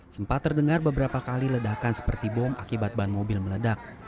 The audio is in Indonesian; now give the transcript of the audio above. sempat terdengar beberapa kali ledakan seperti bom akibat ban mobil meledak